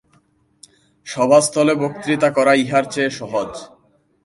সভাস্থলে বক্তৃতা করা ইহার চেয়ে সহজ।